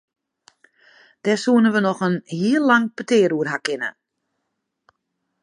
Dêr soenen we noch in heel lang petear oer ha kinne.